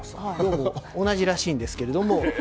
同じらしいんですけども。